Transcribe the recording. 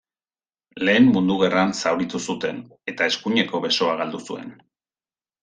Lehen Mundu Gerran zauritu zuten eta eskuineko besoa galdu zuen.